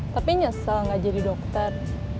tapi nyesel gak jadi dokter